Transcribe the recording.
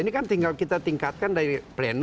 ini kan tinggal kita tingkatkan dari pleno